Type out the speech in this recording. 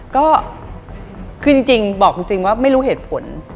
ก็คือจริงบอกจริงว่าไม่รู้เหตุผล